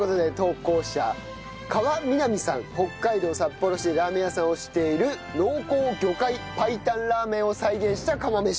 北海道札幌市でラーメン屋さんをしている濃厚魚介白湯ラーメンを再現した釜飯。